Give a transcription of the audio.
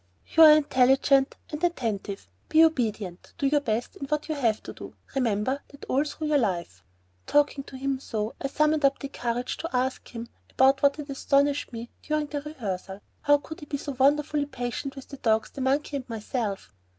"You are intelligent and attentive. Be obedient, do your best in what you have to do. Remember that all through life." Talking to him so, I summoned up courage to ask him about what had so astonished me during the rehearsal: how could he be so wonderfully patient with the dogs, the monkey, and myself?